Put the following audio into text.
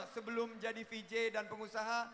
sebelum jadi vj dan pengusaha